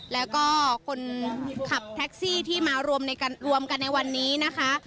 แล้วก็คนขับแท็กซี่ที่มารวมกันในวันนี้นะคะ